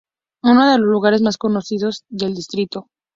Uno de los lugares más conocidos del distrito.